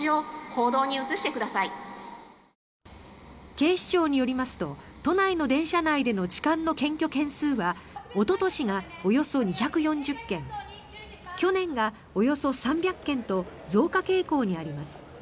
警視庁によりますと都内の電車内での痴漢の検挙件数はおととしがおよそ２４０件去年がおよそ３００件と増加傾向にあります。